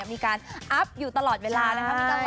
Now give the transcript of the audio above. มีการอัพอยู่ตลอดเวลานะครับ